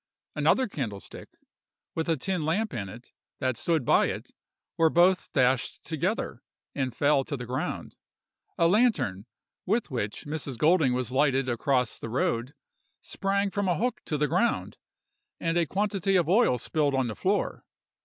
Another candlestick, with a tin lamp in it, that stood by it, were both dashed together, and fell to the ground. A lantern, with which Mrs. Golding was lighted across the road, sprang from a hook to the ground, and a quantity of oil spilled on the floor.